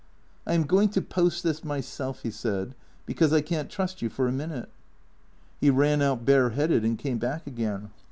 " I am going to post this myself," he said, " because I can't trust you for a minute." He ran out bareheaded and came back again.